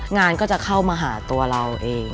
งานก็จะเข้ามาหาตัวเราเอง